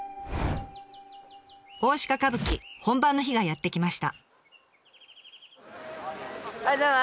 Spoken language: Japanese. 大鹿歌舞伎本番の日がやって来ました。